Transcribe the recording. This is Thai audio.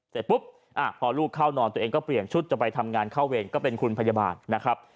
เสร็จปุ๊บพอลูกเข้านอนตัวเองก็เปลี่ยนชุดจะไปทำงานเข้าเวรก็เป็นคุณพยาบาลนะครับ